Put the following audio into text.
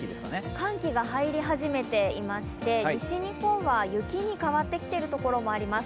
寒気が入り始めていまして、西日本では雪に変わってきているところがあります。